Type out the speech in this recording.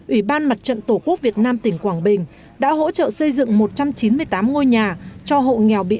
ủy ban mặt trận tổ quốc việt nam tỉnh quảng bình đã hỗ trợ xây dựng một trăm chín mươi tám ngôi nhà cho hộ nghèo bị